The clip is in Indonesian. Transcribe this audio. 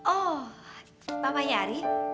oh papanya ari